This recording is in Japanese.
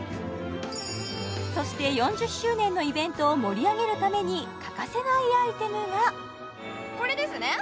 そして４０周年のイベントを盛り上げるために欠かせないアイテムがこれですね